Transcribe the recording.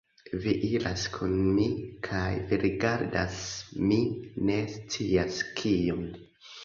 Vi iras kun mi, kaj vi rigardas mi ne scias kiun.